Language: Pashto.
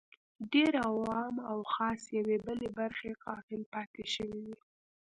ډېر عوام او خواص یوې بلې برخې غافل پاتې شوي دي